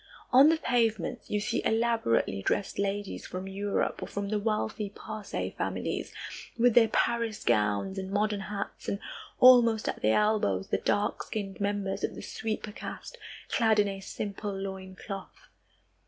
On the pavements you see elaborately dressed ladies from Europe, or from the wealthy Parsee families, with their Paris gowns and modern hats, and almost at their elbows the dark skinned members of the sweeper caste, clad in a simple loin cloth.